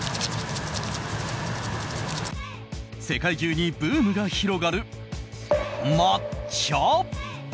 世界中にブームが広がる抹茶。